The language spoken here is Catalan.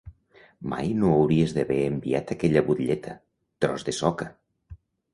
Mai no hauries d'haver enviat aquella butlleta, tros de soca!